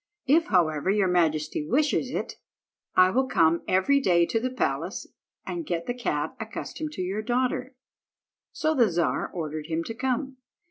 If, however, your majesty wishes it, I will come every day to the palace, and get the cat accustomed to your daughter." So the Czar ordered him to come.